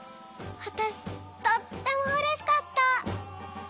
わたしとってもうれしかった。